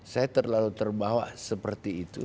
saya terlalu terbawa seperti itu